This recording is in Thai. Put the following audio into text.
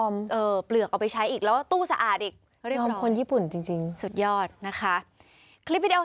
ไม่ขาวใช่มั้ยครับ